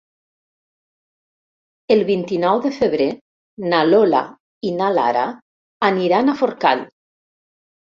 El vint-i-nou de febrer na Lola i na Lara aniran a Forcall.